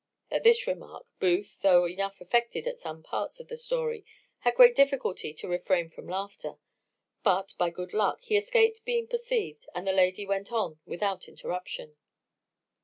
At this remark, Booth, though enough affected at some parts of the story, had great difficulty to refrain from laughter; but, by good luck, he escaped being perceived; and the lady went on without interruption.